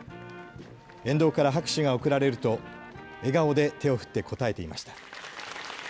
沿道から拍手が送られると笑顔で手を振って応えていました。